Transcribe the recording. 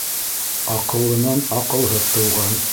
Аҡыллынан аҡылһыҙ тыуған.